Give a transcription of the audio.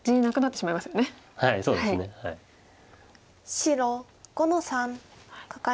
白５の三カカリ。